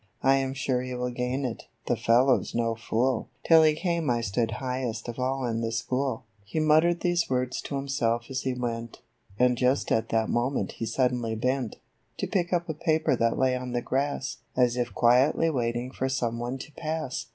I am sure he will gain it ; the fellow's no fool ! Till he came I stood highest of all in the school." 3 34 THE BOY AND HIS PRIZE. He muttered these words to himself as he went, And just at that moment he suddenly bent To pick up a paper that lay on the grass, As if quietly waiting for some one to pass.